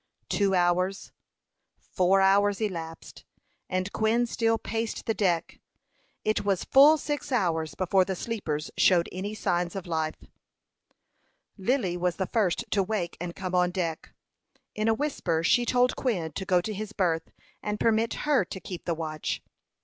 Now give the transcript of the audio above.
Two hours, four hours, elapsed, and Quin still paced the deck. It was full six hours before the sleepers showed any signs of life. Lily was the first to wake and come on deck. In a whisper she told Quin to go to his berth, and permit her to keep the watch.